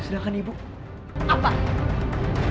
roti yang aku beli tuh halal